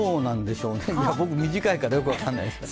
僕、短いからよく分からないですけど。